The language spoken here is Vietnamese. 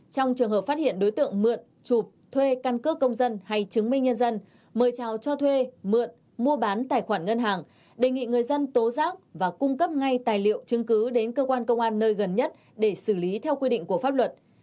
trong trường hợp phát hiện đối tượng mượn chụp thuê căn cước công dân hay chứng minh nhân dân mời chào cho thuê mượn mua bán tài khoản ngân hàng đề nghị người dân tố giác và cung cấp ngay tài liệu chứng cứ đến cơ quan công an nơi gần nhất để xử lý theo quy định của pháp luật